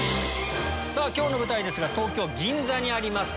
今日の舞台ですが東京・銀座にあります